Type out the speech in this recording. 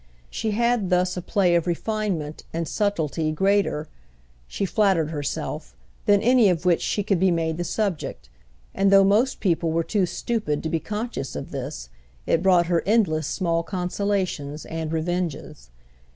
She had thus a play of refinement and subtlety greater, she flattered herself, than any of which she could be made the subject; and though most people were too stupid to be conscious of this it brought her endless small consolations and revenges.